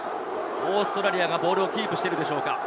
オーストラリアがボールをキープしているでしょうか。